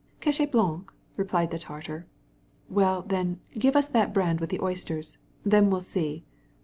"Cachet blanc," prompted the Tatar. "Very well, then, give us that brand with the oysters, and then we'll see."